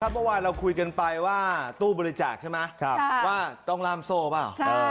เมื่อวานเราคุยกันไปว่าตู้บริจาคใช่ไหมว่าต้องล่ามโซ่เปล่า